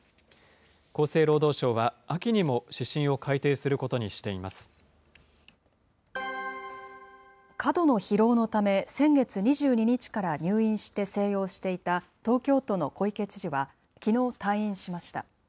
厚生労働省は、秋にも指針を改定過度の疲労のため、先月２２日から入院して静養していた、東京都の小池知事は、きのう退院しました。